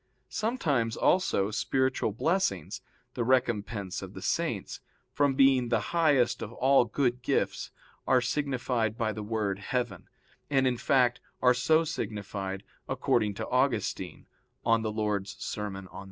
Sometimes also spiritual blessings, the recompense of the Saints, from being the highest of all good gifts, are signified by the word heaven, and, in fact, are so signified, according to Augustine (De Serm. Dom.